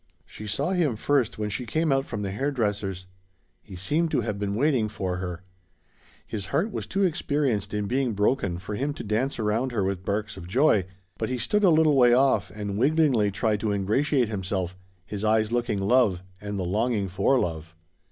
She saw him first when she came out from the hair dresser's. He seemed to have been waiting for her. His heart was too experienced in being broken for him to dance around her with barks of joy, but he stood a little way off and wigglingly tried to ingratiate himself, his eyes looking love, and the longing for love.